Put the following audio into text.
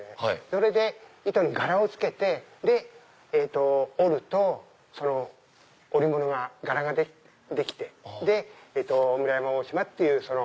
それで糸に柄をつけて織るとその織物が柄ができて村山大島っていう着物が。